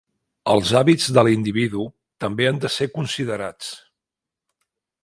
Els hàbits de l'individu també han de ser considerats.